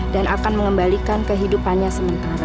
dan akan mengembalikan kehidupannya sementara